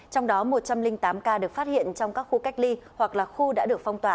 trong đó một trăm linh tám ca được phát hiện trong các khu cách ly hoặc là khu đã được phong tỏa